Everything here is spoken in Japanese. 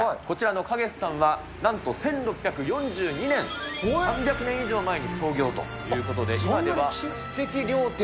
こちらの花月さんは、なんと１６４２年、３００年以上前に創業ということで。